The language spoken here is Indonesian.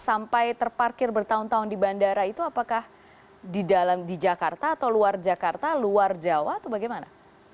sampai terparkir bertahun tahun di bandara itu apakah di jakarta atau luar jakarta luar jawa atau bagaimana